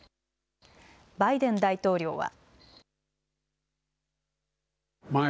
バイデン大統領は。